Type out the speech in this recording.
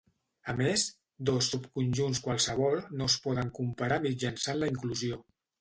A més, dos subconjunts qualssevol no es poden comparar mitjançant la inclusió.